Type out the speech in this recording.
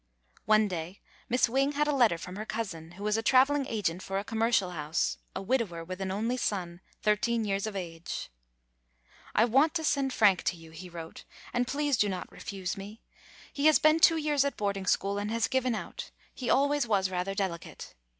One day Miss Wing had a letter from her cousin, who was a traveling agent for a com mercial house; a widower with an only son, thirteen years of age. 'T want to send Frank to you," he wrote; ''and please do not refuse me. He has been two years at boarding school, and has given out — he always was rather delicate.